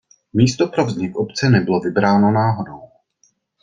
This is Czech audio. Místo pro vznik obce nebylo vybráno náhodou.